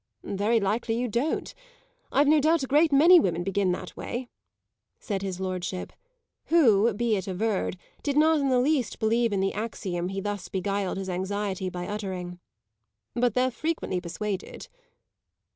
"Very likely you don't. I've no doubt a great many women begin that way," said his lordship, who, be it averred, did not in the least believe in the axiom he thus beguiled his anxiety by uttering. "But they're frequently persuaded."